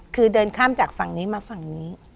คือเดินข้ามจากฝั่งนี้มาฝั่งนี้